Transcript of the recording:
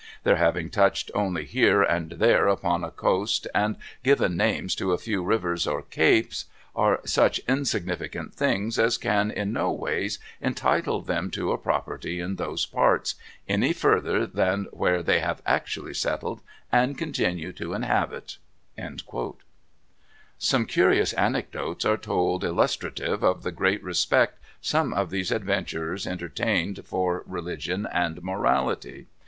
Their having touched only here and there upon a coast, and given names to a few rivers or capes, are such insignificant things as can in no ways entitle them to a property in those parts, any further than where they have actually settled and continue to inhabit." Some curious anecdotes are told illustrative of the great respect some of these adventurers entertained for religion and morality.